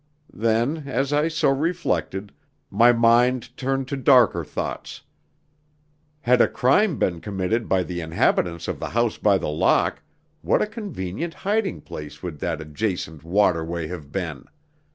Then, as I so reflected, my mind turned to darker thoughts. Had a crime been committed by the inhabitants of the House by the Lock, what a convenient hiding place would that adjacent waterway have been!